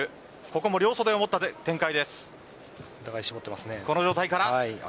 ここも両袖を持った展開です。